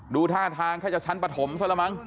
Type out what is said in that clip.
ดูท่าทางก็จะชั้นปฐมซักหรือมัง